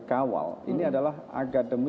kawal ini adalah akademi